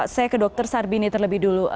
saya ke dr sarbini terlebih dulu